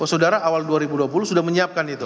saudara awal dua ribu dua puluh sudah menyiapkan itu